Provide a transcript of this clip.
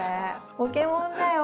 ポケモンだよ。